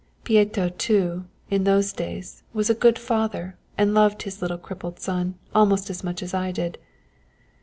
Pieto, too, in those days was a good father and loved his little crippled son almost as much as I did.